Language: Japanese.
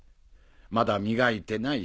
まだ磨いてない